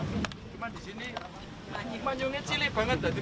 cuma disini manyungnya cili banget